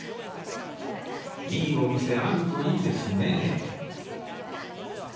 いいお店あるといいですね